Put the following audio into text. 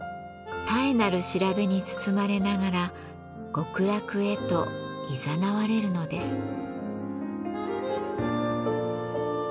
たえなる調べに包まれながら極楽へといざなわれるのです。